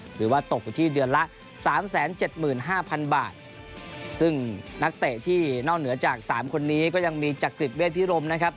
หรือว่าตกอยู่ที่เดือนละสามแสนเจ็ดหมื่นห้าพันบาทซึ่งนักเตะที่นอกเหนือจากสามคนนี้ก็ยังมีจักริตเวทพิรมนะครับ